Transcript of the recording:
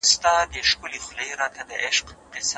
صدقه د سخاوت او مړانې لویه بېلګه ده.